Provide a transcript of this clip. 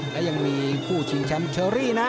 แล้วยังมีผู้ชิงแชมป์เชอรี่